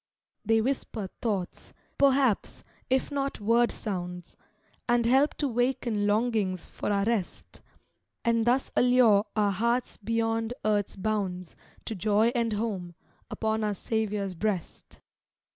They whisper thoughts, perhaps, if not word sounds, And help to waken longings for our rest; And thus allure our hearts beyond earth's bounds To joy and home, upon our Saviour's breast.